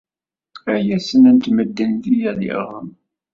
Aya ssnen-t medden deg yal iɣrem.